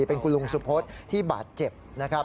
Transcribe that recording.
เป็นคุณลุงสุพศที่บาดเจ็บนะครับ